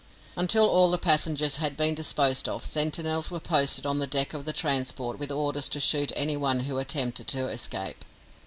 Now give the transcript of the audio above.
Until all the passengers had been disposed of, sentinels were posted on the deck of the transport with orders to shoot anyone who attempted to escape.